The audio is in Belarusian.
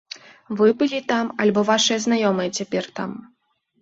Вы былі там альбо вашы знаёмыя цяпер там?